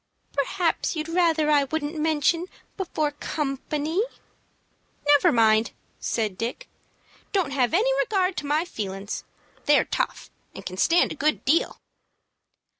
"Perhaps you'd rather I wouldn't mention before company." "Never mind," said Dick. "Don't have any regard to my feelin's. They're tough, and can stand a good deal."